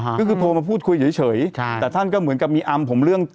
ก็คือโทรมาพูดคุยเฉยเฉยใช่แต่ท่านก็เหมือนกับมีอำผมเรื่อง